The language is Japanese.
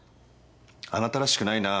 あなたらしくないな。